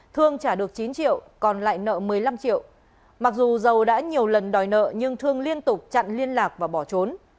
thương trả được chín triệu còn lại nợ một mươi năm triệu mặc dù dầu đã nhiều lần đòi nợ nhưng thương liên tục chặn liên lạc và bỏ trốn